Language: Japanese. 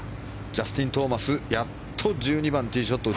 ジャスティン・トーマスやっと１２番、ティーショット。